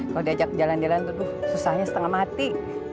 kalau diajak jalan jalan tuh aduh susahnya setengah mati